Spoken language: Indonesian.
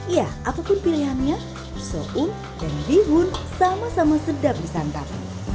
ya apapun pilihannya soun dan bihun sama sama sedap disantap